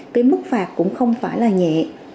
cái mức phạt cũng không phải là nhẹ